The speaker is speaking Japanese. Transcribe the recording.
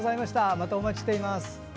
またお待ちしています。